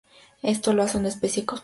Esto la hace una especie cosmopolita.